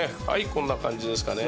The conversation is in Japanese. こんな感じですかね。